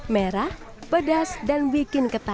merah pedas dan bikin ketan